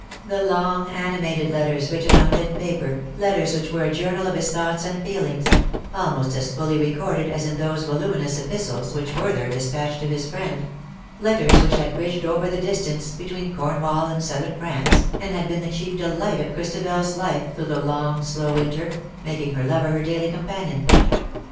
The long animated letters written on thin paper, letters which were a journal of his thoughts and feelings, almost as fully recorded as in those voluminous epistles which Werther despatched to his friend — letters which had bridged over the distance between Cornwall and Southern France, and had been the chief delight of Christabers life through the long slow winter, making her lover her daily companion.